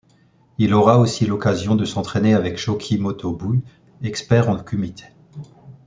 Il aura aussi l'occasion de s'entraîner avec Chōki Motobu, expert en kumite.